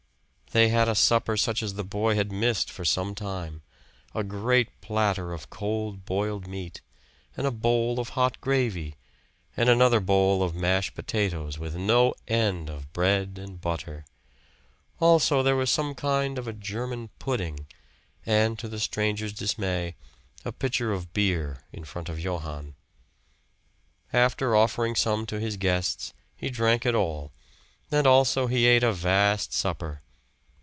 They had a supper such as the boy had missed for some time; a great platter of cold boiled meat, and a bowl of hot gravy, and another bowl of mashed potatoes, with no end of bread and butter. Also there was some kind of a German pudding, and to the stranger's dismay, a pitcher of beer in front of Johann. After offering some to his guests, he drank it all, and also he ate a vast supper.